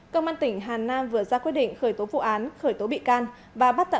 công an tỉnh hà nam vừa ra quyết định khởi tố vụ án khởi tố bị can và bắt tạm